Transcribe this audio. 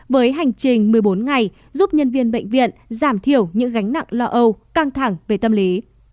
với hành trình một mươi bốn ngày giúp nhân viên bệnh viện giảm thiểu những gánh nặng lo âu căng thẳng về tâm lý